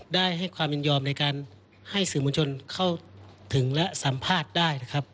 ได้ให้ความยินยอมในการให้สื่อมวลชนเข้าถึงและสัมภาษณ์ได้นะครับ